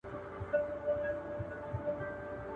• په منډه نه ده، په ټنډه ده.